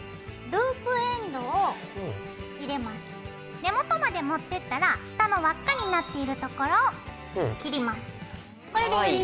根元まで持ってったら下の輪っかになっているところを切ります。